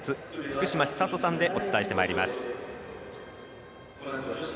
福島千里さんでお伝えしてまいります。